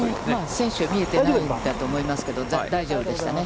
選手が見えていると思いますけれども、大丈夫でしたね。